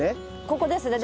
ここですね？